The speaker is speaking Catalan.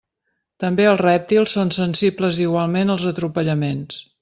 També els rèptils són sensibles igualment als atropellaments.